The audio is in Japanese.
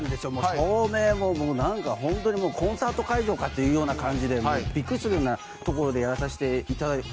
照明もコンサート会場かっていうような感じでビックリするようなところでやらさせていただいて。